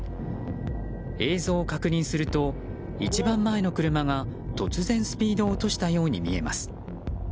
映像を確認すると一番前の車が突然、スピードを落としたように見えます。